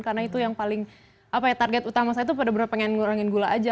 karena itu yang paling apa ya target utama saya tuh pada benar benar pengen mengurangi gula aja